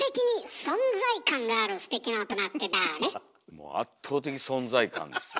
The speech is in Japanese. もう圧倒的存在感ですよ。